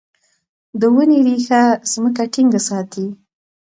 د ونې ریښه ځمکه ټینګه ساتي.